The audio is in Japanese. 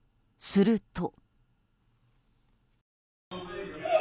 すると。